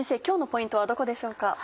今日のポイントはどこでしょうか？